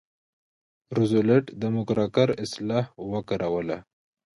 روزولټ د موکراکر اصطلاح وکاروله.